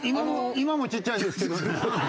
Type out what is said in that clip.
今もちっちゃいですけどね。